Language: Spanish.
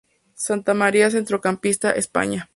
Santamaría Centrocampista España.